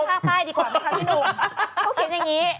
เขาเขียนอย่างนี้